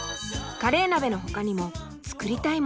カレー鍋のほかにも作りたいものが！